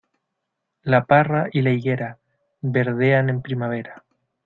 La parra y la higuera, verdean en primavera.